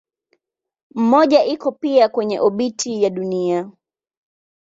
Mmoja iko pia kwenye obiti ya Dunia.